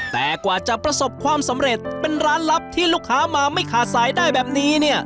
แต่กว่าจะประสบความสำเร็จเป็นร้านลับที่ลูกค้ามาไม่ขาดสายได้แบบนี้เนี่ย